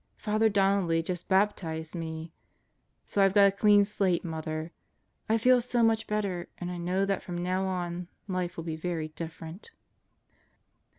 Father Donnelly just baptized me! So I've got a clean slate, Mother. I feel so much better, and I know that from now on, life will be very different.